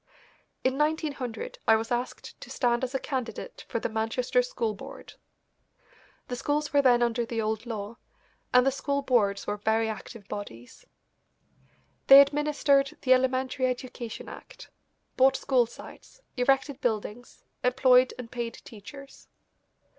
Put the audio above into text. In 1900 I was asked to stand as a candidate for the Manchester School Board. The schools were then under the old law, and the school boards were very active bodies. They administered the Elementary Education Act, bought school sites, erected buildings, employed and paid teachers.